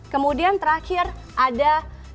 kemudian terakhir ada dua puluh tujuh